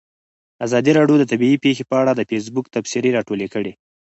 ازادي راډیو د طبیعي پېښې په اړه د فیسبوک تبصرې راټولې کړي.